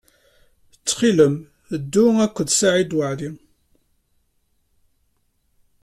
Ttxil-m, ddu akked Saɛid Waɛli.